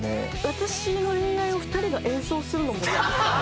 私の恋愛を２人が演奏するのもなって。